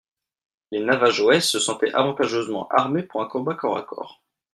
Les Navajoès se sentaient avantageusement armés pour un combat corps à corps.